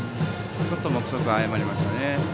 ちょっと目測を誤りましたね。